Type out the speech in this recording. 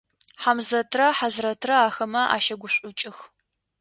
Хьамзэтрэ Хьазрэтрэ ахэмэ ащэгушӏукӏых.